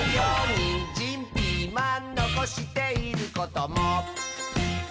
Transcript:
「ニンジンピーマンのこしていることも」